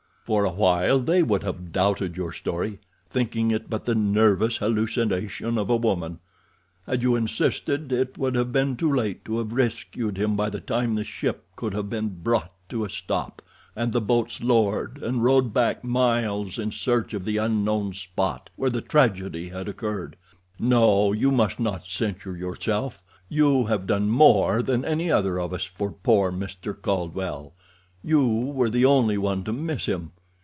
For a while they would have doubted your story, thinking it but the nervous hallucination of a woman—had you insisted it would have been too late to have rescued him by the time the ship could have been brought to a stop, and the boats lowered and rowed back miles in search of the unknown spot where the tragedy had occurred. No, you must not censure yourself. You have done more than any other of us for poor Mr. Caldwell—you were the only one to miss him.